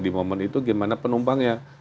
di momen itu gimana penumpangnya